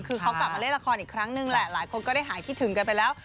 คือเขากลับมาเล่นละครอีกครั้งนึงแหละหลายคนก็ได้หายคิดถึงกันไปแล้ว